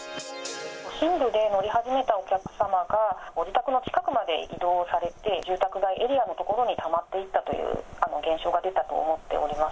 都心部で乗り始めたお客様が、ご自宅の近くまで移動されて、住宅街エリアの所にたまっていったという現象が出たと思っております。